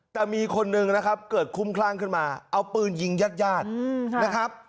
แต่มีคนหนึ่งนะครับเกิดคุ้มคลั่งขึ้นมาเอาปืนยิงญาติญาตินะครับ